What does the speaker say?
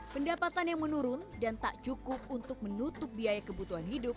pendapatan yang menurun dan tak cukup untuk menutup biaya kebutuhan hidup